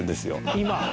今？